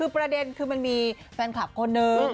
ประเด็นคือมีแฟนคลับคนหนึ่ง